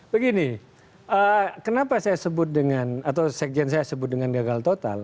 begini kenapa saya sebut dengan gagal total